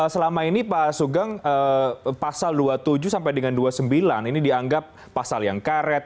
selama ini pak sugeng pasal dua puluh tujuh sampai dengan dua puluh sembilan ini dianggap pasal yang karet